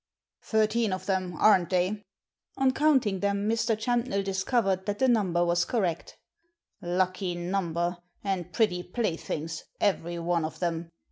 "Thirteen of them, aren*t they?" On counting them Mr. Champnell discovered that the number was correct " Lucky number, and pretty playthings, every one of them.